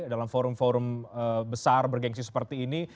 dalam forum forum besar bergensi seperti ini